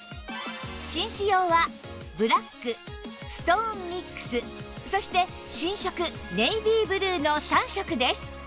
紳士用はブラックストーンミックスそして新色ネイビーブルーの３色です